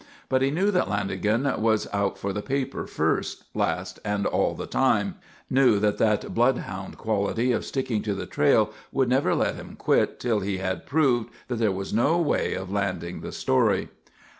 But he knew that Lanagan was out for the paper first, last, and all the time; knew that that bloodhound quality of sticking to the trail would never let him quit till he had proved that there was no way of landing the story.